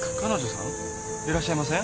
いらっしゃいません。